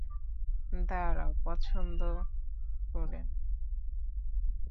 দাঁড়াও, পছন্দ করে না?